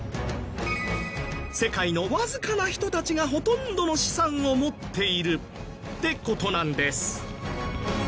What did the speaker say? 世界のわずかな人たちがほとんどの資産を持っているって事なんです。